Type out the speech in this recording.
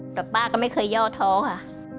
แต่ป้าก็ไม่เคยย่อท้อค่ะ